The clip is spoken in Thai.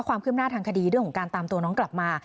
ความคืบหน้าทางคดีเรื่องของการตามตัวน้องกลับมา